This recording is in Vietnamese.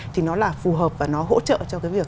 thì nó là phù hợp và nó hỗ trợ cho cái việc